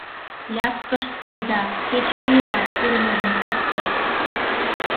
Ляпкышт айда, кеч пийла урмыжын оптышт.